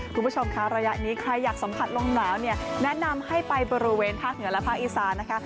คุณผู้ชมคะระยะนี้ใครอยากสัมผัสลมหนาวเนี่ยแนะนำให้ไปบริเวณภาคเหนือและภาคอีสานนะคะ